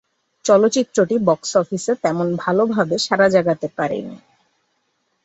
চলচ্চিত্রটি বক্স-অফিসে তেমন ভালভাবে সাড়া জাগাতে পারেনি।